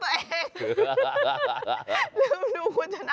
ลืมดูคุณชนะ